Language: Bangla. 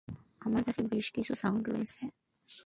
আমার কাছে বেশ কিছু সাউন্ড রয়েছে।